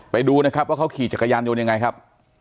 ไปดูนะครับว่าเขาขี่จักรยานยนต์ยังไงครับ